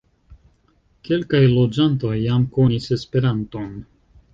Kelkaj loĝantoj jam konis Esperanton.